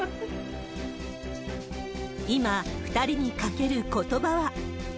今、２人にかけることばは。